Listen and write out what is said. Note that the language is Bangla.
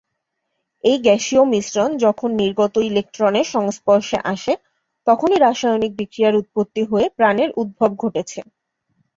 এই গ্যাসীয় মিশ্রণ যখন নির্গত ইলেকট্রনের সংস্পর্শে আসে, তখনই রাসায়নিক বিক্রিয়ার উৎপত্তি হয়ে প্রাণের উদ্ভব ঘটেছে।